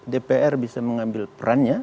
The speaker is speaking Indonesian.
dpr bisa mengambil perannya